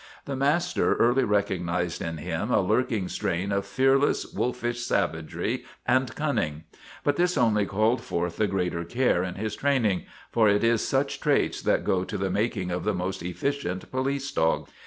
The master early recognized in him a lurking strain of fearless, wolfish savagery and cun ning, but this only called forth the greater care in his training, for it is such traits that go to the mak ing of the most efficient police dogs.